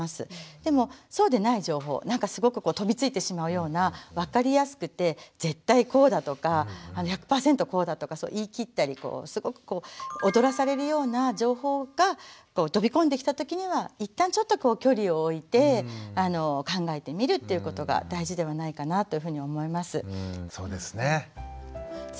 でもそうでない情報なんかすごく飛びついてしまうような分かりやすくて「絶対こうだ」とか「１００％こうだ」とか言い切ったりすごく踊らされるような情報が飛び込んできた時には一旦ちょっと距離を置いて考えてみるっていうことが大事ではないかなというふうに思います。